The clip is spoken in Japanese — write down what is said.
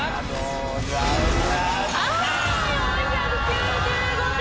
４９５点。